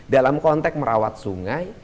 dalam konteks merawat sungai